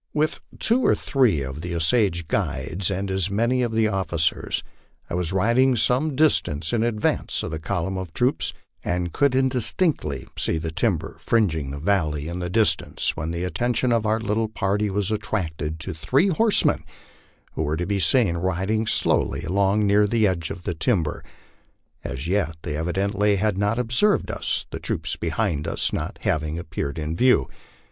With two or three of the Osage guides and as many of the officers, I was riding some distance in advance of the column of troops, and could indis tinctly see the timber fringing the valley in the distance, when the attention of our little party was attracted to three horsemen who were to be seen riding slowly along near the edge of the timber. As yet they evidently had not ob served us, the troops behind us not having appeared in view.